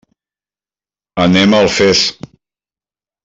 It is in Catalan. Anem a Alfés.